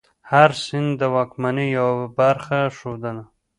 هر سند د واکمنۍ یوه برخه ښودله.